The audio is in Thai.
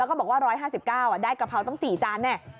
แล้วก็บอกว่า๑๕๙ได้กะเพราตั้ง๔จานแน่